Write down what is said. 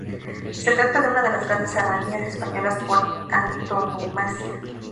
Se trata de una de las grandes serranías españolas por antonomasia.